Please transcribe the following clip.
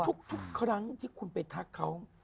ทุกครั้งที่คุณไปทักเขา